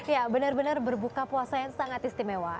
ya benar benar berbuka puasa yang sangat istimewa